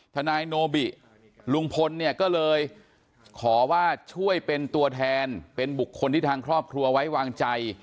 ทนายโนบิลุงพลเนี่ยก็เลยขอว่าช่วยเป็นตัวแทนเป็นบุคคลที่ทางครอบครัวไว้วางใจ